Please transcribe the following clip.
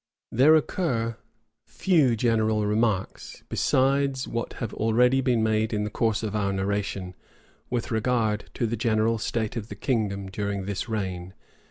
There occur few general remarks, besides what have already been made in the course of our narration, with regard to the general state of the kingdom during this reign.